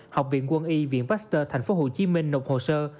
học viện quân y viện pasteur tp hcm nộp hồ sơ